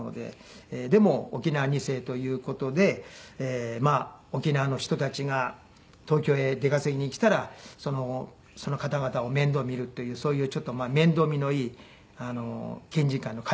でも沖縄二世という事でまあ沖縄の人たちが東京へ出稼ぎに来たらその方々を面倒見るというそういうちょっと面倒見のいい県人会の会長の役を致しました。